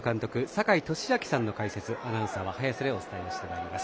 坂井利彰さんの解説、アナウンサーは早瀬でお伝えをしてまいります。